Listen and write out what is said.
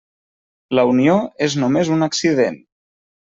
La Unió és només un accident.